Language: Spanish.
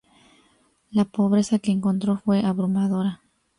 La pobreza que encontró fue abrumadora.